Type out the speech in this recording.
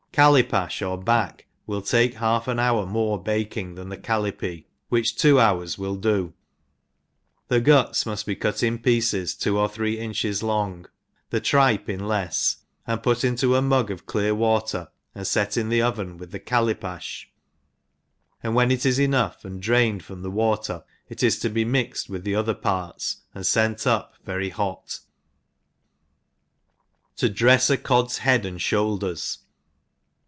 Cal lipafh or back will take half an hour more bake ing than the callipee, which two hours will do;, the guts muft be cut in pieces two or three inches long, the tripe in lefs, and put into a mug of clear water, and fet in the oven with the caK lipafh, and when it is enough and drained from the water, it is to be mixed with the other parts and fent up very hot. To drefs a Cod's Head and Shoulders.